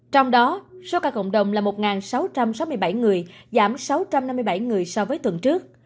trong đó số ca cộng đồng là một sáu trăm sáu mươi bảy người giảm sáu trăm năm mươi bảy người so với tuần trước